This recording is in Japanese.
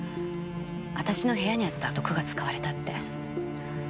私の部屋にあった毒が使われたって。